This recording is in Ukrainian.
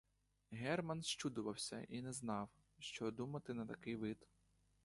Герман зчудувався і не знав, що думати на такий вид.